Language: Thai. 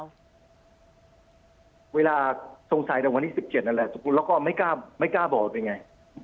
เวลาสงสัยแต่วันที่๑๗นั่นแหละสมมุติแล้วก็ไม่กล้าบอกเป็นไง